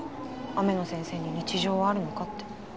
雨野先生に日常はあるのかって。